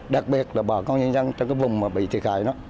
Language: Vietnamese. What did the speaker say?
đặc biệt là bà con nhân dân trong cái vùng mà bị thiệt hại đó